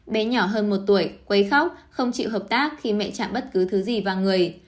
bé nhỏ hơn một tuổi quấy khóc không chịu hợp tác khi mẹ trả bất cứ thứ gì vào người